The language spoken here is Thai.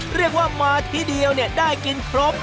เรียกว่ามาที่เดียวเนี่ยได้กินครบ